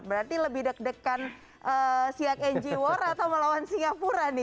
berarti lebih deg degan siak ng war atau melawan singapura nih